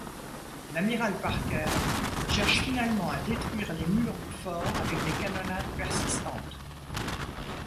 L'amiral Parker cherche finalement à détruire les murs du fort avec des canonnades persistantes.